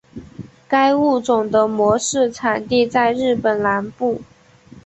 该物种的模式产地在日本南部。